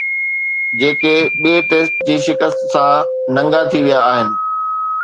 جيڪي ٻئي ٽيسٽ جي شڪست سان ننگا ٿي ويا آهن